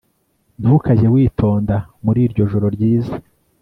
ntukajye witonda muri iryo joro ryiza